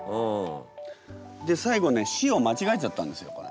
で最後ね「し」を間違えちゃったんですよこれ。